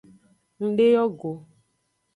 Ndeyo go.